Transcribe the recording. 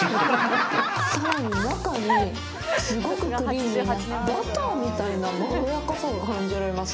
さらに中にすごくクリーミーな、バターみたいなまろやかさが感じられます。